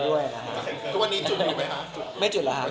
วันนี้จุดมีไหมฮะ